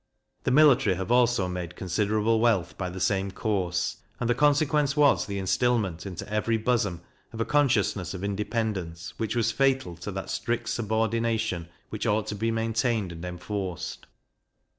The military have also made considerable wealth by the same course, and the consequence was the instilment into every bosom of a consciousness of independence, which was fatal to that strict subordination which ought to be maintained and enforced.